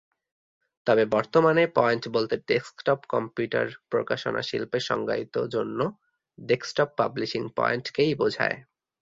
তবে বর্তমানে পয়েন্ট বলতে ডেস্কটপ কম্পিউটার প্রকাশনা শিল্পে সংজ্ঞায়িত জন্য "ডেস্কটপ পাবলিশিং পয়েন্ট"-কেই বোঝায়।